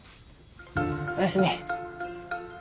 おやすみ。